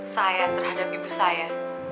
saya terhadap ibu saya